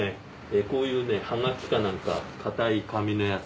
こういうねハガキかなんか硬い紙のやつ